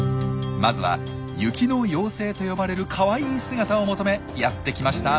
まずは「雪の妖精」と呼ばれるかわいい姿を求めやってきました